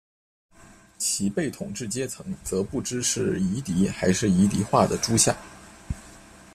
其被统治阶层则不知是夷狄还是夷狄化的诸夏。